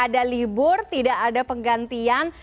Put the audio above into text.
ada libur tidak ada penggantian